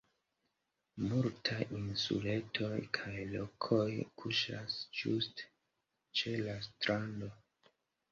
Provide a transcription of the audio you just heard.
Multaj insuletoj kaj rokoj kuŝas ĝuste ĉe la strando.